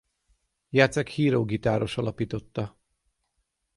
Jacek Hiro gitáros alapította.